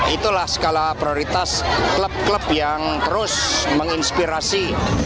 itulah skala prioritas klub klub yang terus menginspirasi